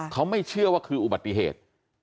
เขาไม่เชื่อว่าคืออุบัติเหตุ